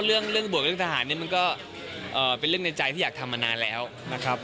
เรื่องบวกเรื่องทหารเนี่ยมันก็เป็นเรื่องในใจที่อยากทำมานานแล้วนะครับ